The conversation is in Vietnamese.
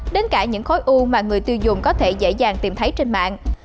đến cả những khối u mà người tiêu dùng có thể dễ dàng tìm thấy trên mạng